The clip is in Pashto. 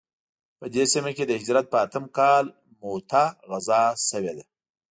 په دې سیمه کې د هجرت په اتم کال موته غزا شوې ده.